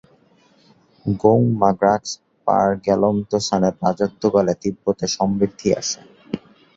গোং-মা-গ্রাগ্স-পা-র্গ্যাল-ম্ত্শানের রাজত্বকালে তিব্বতে সমৃদ্ধি আসে।